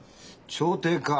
調停か。